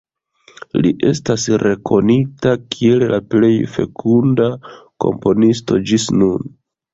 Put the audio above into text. Li estas rekonita kiel la plej fekunda komponisto ĝis nun.